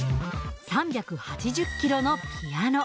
３８０キロのピアノ。